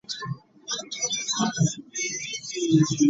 Both friends live and raised together in Rawalpindi.